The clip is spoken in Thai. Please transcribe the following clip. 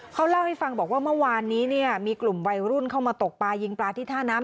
เขาเล่าให้ฟังบอกว่าเมื่อวานนี้เนี่ยมีกลุ่มวัยรุ่นเข้ามาตกปลายิงปลาที่ท่าน้ำ